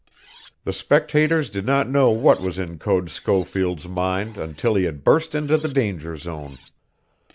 The spectators did not know what was in Code Schofield's mind until he had burst into the danger zone.